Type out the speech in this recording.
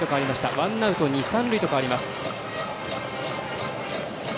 ワンアウト、二、三塁と変わります。